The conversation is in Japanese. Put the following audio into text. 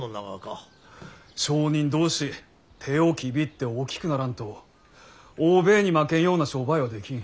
商人同士手をきびって大きくならんと欧米に負けんような商売はできん。